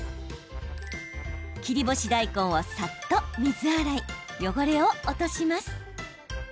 切り干し大根をさっと水洗い汚れを落とします。